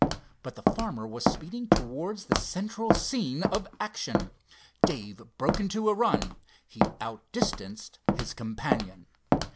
but the farmer was speeding towards the central scene of action. Dave broke into a run. He out distanced his companion.